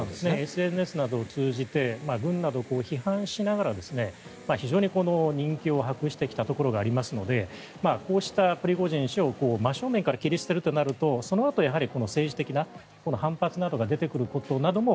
ＳＮＳなどを通じて軍などを批判しながら非常に人気を博してきたところがありますのでこうしたプリゴジン氏を真正面から切り捨てるとなるとそのあと政治的な反発などが出てくることなども